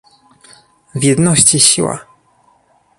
w jedności siła!